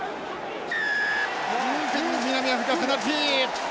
南アフリカペナルティー。